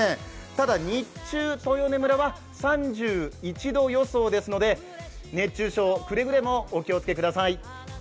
ただ日中、豊根村は３１度予想ですので熱中症、くれぐれもお気をつけください。